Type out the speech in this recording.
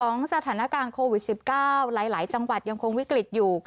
สถานการณ์โควิด๑๙หลายจังหวัดยังคงวิกฤตอยู่